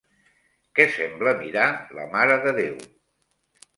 Què sembla mirar la Mare de Déu?